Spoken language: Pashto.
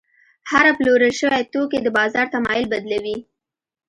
هره پلورل شوې توکي د بازار تمایل بدلوي.